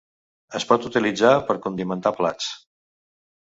Es pot utilitzar per condimentar plats.